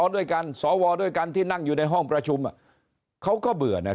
ด้วยกันสวด้วยกันที่นั่งอยู่ในห้องประชุมเขาก็เบื่อนะ